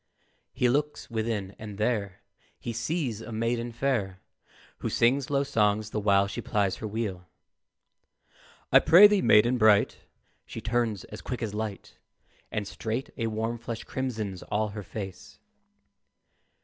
He looks within, and there He sees a maiden fair, Who sings low songs the while she plies her wheel. "I prithee, maiden bright," She turns as quick as light, And straight a warm flush crimsons all her face.